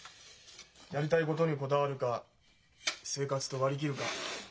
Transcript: やりたいことにこだわるか生活と割り切るか。